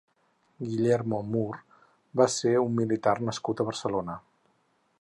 Guillermo Moore va ser un militar nascut a Barcelona.